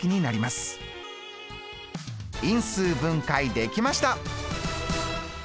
因数分解できました！